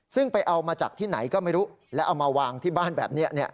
ซึ่งไปเอามาจากที่ไหนก็ไม่รู้แล้วเอามาวางที่บ้านแบบนี้